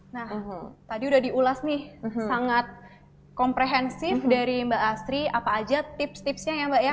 nah tadi udah diulas nih sangat komprehensif dari mbak asri apa aja tips tipsnya ya mbak ya